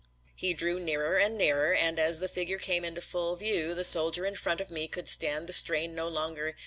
He drew nearer and nearer and as the figure came into full view the soldier in front of me could stand the strain no longer.